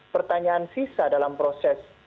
pertanyaan sisa dalam proses